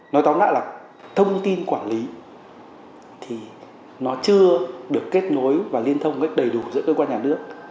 nói tóm lại là thông tin quản lý thì nó chưa được kết nối và liên thông đầy đủ giữa cơ quan nhà nước